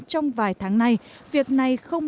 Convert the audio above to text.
trong vài tháng nay việc này không